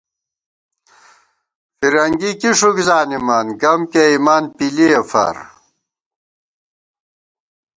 فِرَنگی کی ݭُک زانِمان گم کېئیمان پِلِئے فار